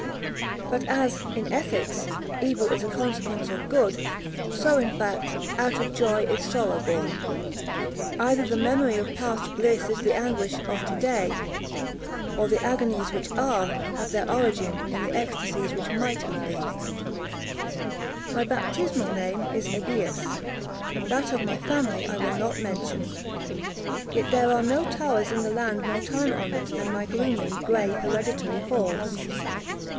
But as, in ethics, evil is a consequence of good, so, in fact, out of joy is sorrow born. Either the memory of past bliss is the anguish of to day, or the agonies which are, have their origin in the ecstasies which might have been. My baptismal name is Egaeus; that of my family I will not mention. Yet there are no towers in the land more time honored than my gloomy, gray, hereditary halls.